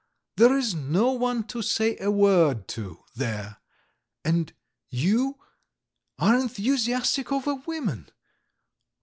There is no one to say a word to there, and you ... are enthusiastic over women!